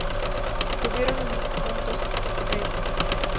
Tuvieron un hijo juntos, Freddie.